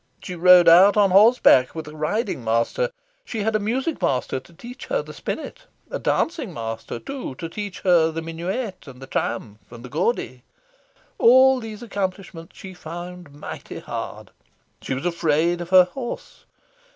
She rode out on horse back, with a riding master. She had a music master to teach her the spinet; a dancing master, too, to teach her the Minuet and the Triumph and the Gaudy. All these accomplishments she found mighty hard. She was afraid of her horse.